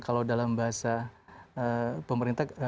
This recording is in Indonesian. kalau dalam bahasa pemerintah